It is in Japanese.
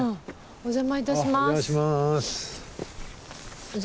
お邪魔いたします。